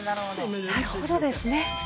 なるほどですね。